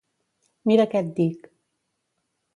Mira què et dic.